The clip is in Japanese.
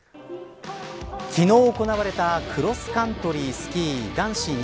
昨日行われたクロスカントリースキー男子